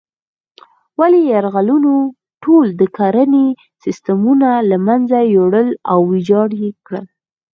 ولې یرغلونو ټول د کرنې سیسټمونه له منځه یوړل او ویجاړ یې کړل.